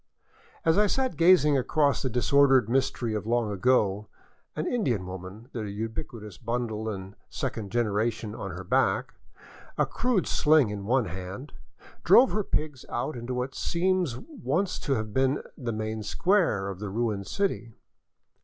As I sat gazing across the disordered mystery of long ago, an In dian woman, the ubiquitous bundle and second generation on her back, a crude sling in one hand, drove her pigs out into what seems once to have been the main square of the ruined city.